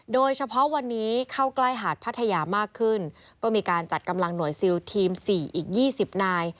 โดยเฉพาะวันนี้เข้าใกล้หาดพัทยามากขึ้นก็มีการจัดกำลังหน่วยซิลทีม๔อีก๒๐นาย